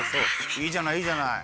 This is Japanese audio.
いいじゃないいいじゃない。